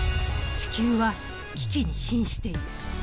地球は危機に瀕している。